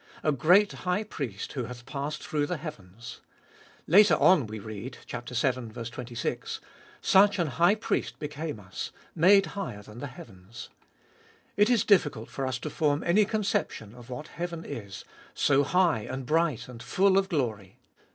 A great High Priest, who hath passed through the heavens. Later on we read (vii. 26): Such an High Priest became us, made higher than the heavens. It is difficult for us to form any conception of what heaven is, so high, and bright, and full of glory.